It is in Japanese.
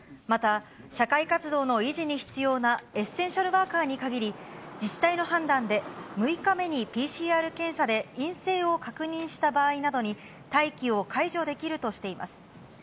また、社会活動の維持に必要なエッセンシャルワーカーに限り、自治体の判断で、６日目にＰＣＲ検査で陰性を確認した場合などに、待機を解除できるとしています。